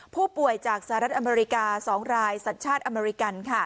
ผู้ป่วยจากสหรัฐอเมริกา๒รายสัญชาติอเมริกัน